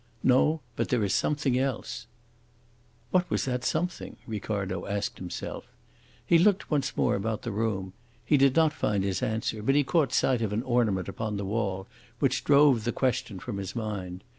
No, but there is something else." What was that something? Ricardo asked himself. He looked once more about the room. He did not find his answer, but he caught sight of an ornament upon the wall which drove the question from his mind.